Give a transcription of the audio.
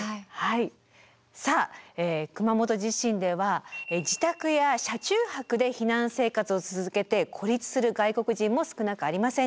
さあ熊本地震では自宅や車中泊で避難生活を続けて孤立する外国人も少なくありませんでした。